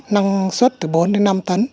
năng suất từ bốn năm tấn